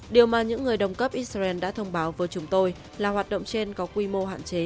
điều mà những người đồng cấp israel đã thông báo với chúng tôi là hoạt động trên có quy mô hạn chế